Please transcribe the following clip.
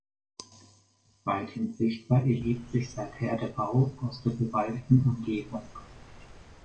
Weithin sichtbar erhebt sich seither der Bau aus der bewaldeten Umgebung.